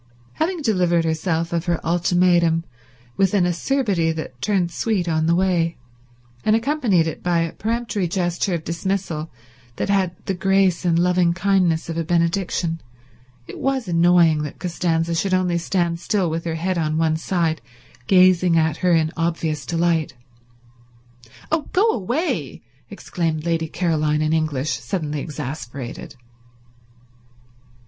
Having delivered herself of her ultimatum with an acerbity that turned sweet on the way, and accompanied it by a peremptory gesture of dismissal that had the grace and loving kindness of a benediction, it was annoying that Costanza should only stand still with her head on one side gazing at her in obvious delight. "Oh, go away!" exclaimed Lady Caroline in English, suddenly exasperated.